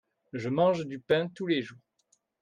Je mange du pain tous les jours.